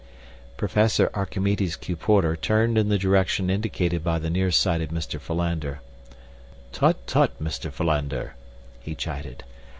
Professor Archimedes Q. Porter turned in the direction indicated by the nearsighted Mr. Philander. "Tut, tut, Mr. Philander," he chided.